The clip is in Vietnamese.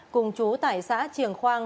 cùng chú tài xã triềng khoang